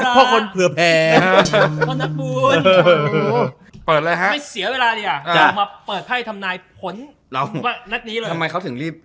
พ่อคนเผื่อแพง